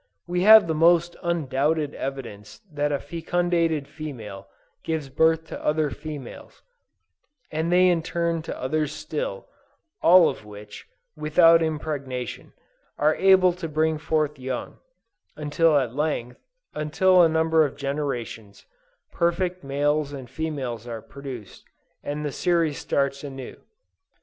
We have the most undoubted evidence that a fecundated female gives birth to other females, and they in turn to others still, all of which, without impregnation, are able to bring forth young, until at length, after a number of generations, perfect males and females are produced, and the series starts anew!